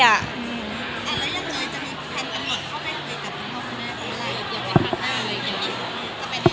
แล้วยังไงจะมีแผ่นกันใหม่เข้าใกล้กับพี่พ่อคุณอะไรอีกเกี่ยวกับค่าอะไรแบบนี้